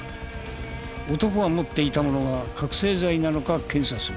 男が持っていたものが覚醒剤なのか検査する。